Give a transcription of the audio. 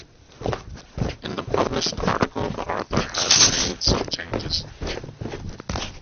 In the published article the author has made some changes.